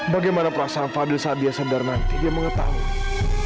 bagaimana perasaan fadil saat dia sadar nanti dia mengetahui